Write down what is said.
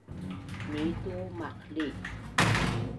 nitu maqlic